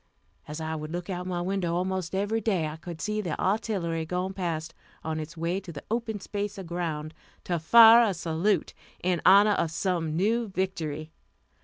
As I would look out my window almost every day, I could see the artillery going past on its way to the open space of ground, to fire a salute in honor of some new victory.